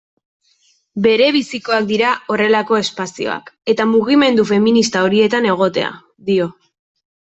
Berebizikoak dira horrelako espazioak, eta mugimendu feminista horietan egotea, dio.